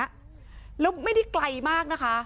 แล้วไม่ได้ไกลมากนะคะ